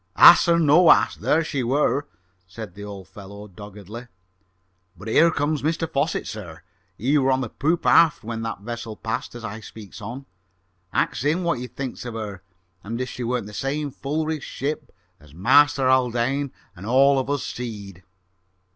"Hass or no hass, there she wer'," said the old fellow doggedly. "But here comes Mr Fosset, sir. He were on the poop aft when that vessel passed as I speaks on. Ax him what he thinks of her and if she weren't the same full rigged ship as Master Haldane and all of us seed?"